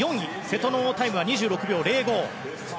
瀬戸のタイムは２６秒０５。